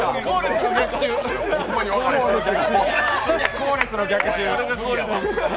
後列の逆襲。